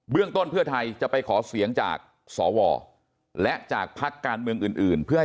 เรื่องต้นเพื่อไทยจะไปขอเสียงจากสวและจากพักการเมืองอื่นเพื่อ